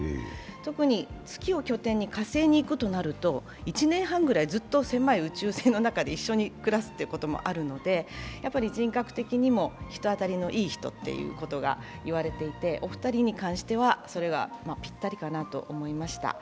特に月を拠点に火星に行くってことになると、１年半ぐらい狭い空間で一緒に暮らすということもあるので、人格的にも人当たりのいい人ということが言われていて、お二人に関してはそれがぴったりかなと思いました。